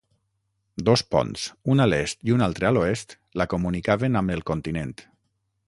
Dos ponts, un a l'est i un altre a l'oest, la comunicaven amb el continent.